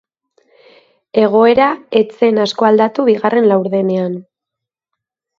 Egoera ez zen asko aldatu bigarren laurdenean.